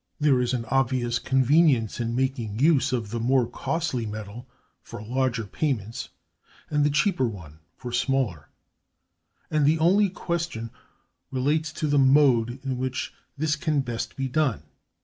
There is an obvious convenience in making use of the more costly metal for larger payments, and the cheaper one for smaller; and the only question relates to the mode in which this can best be done.